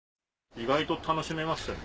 意外と楽しめましたね。